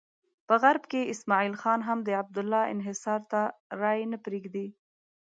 په غرب کې اسماعیل خان هم د عبدالله انحصار ته رایې نه پرېږدي.